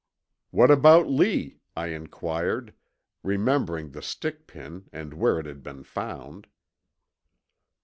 "What about Lee?" I inquired, remembering the stick pin and where it had been found.